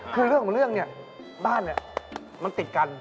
คือเรื่องเนี่ยบ้านเนี่ยมันติดกัน